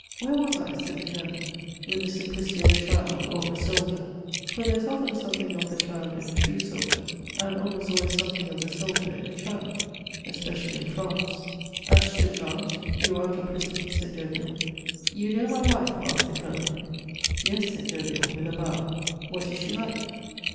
"Where was I?" said the Colonel, with the simplicity of a child or of a soldier, for there is often something of the child in a true soldier, and almost always something of the soldier in a child, especially in France. "At Stuttgart. You were out of prison," said Derville. "You know my wife?" asked the Colonel. "Yes," said Derville, with a bow. "What is she like?"